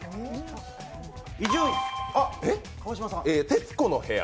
「徹子の部屋」？